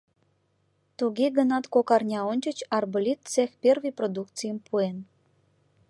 Туге гынат кок арня ончыч арболит цех первый продукцийым пуэн.